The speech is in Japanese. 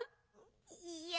いや。